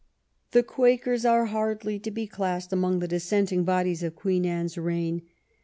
The Quakers are hardly to be classed among the dissenting bodies of Queen Anne's reign.